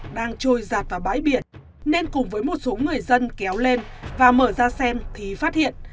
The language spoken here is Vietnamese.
đang trôi giạt vào bãi biển nên cùng với một số người dân kéo lên và mở ra xem thì phát hiện